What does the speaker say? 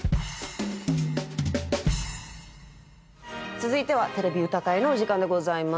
続いては「てれび歌会」のお時間でございます。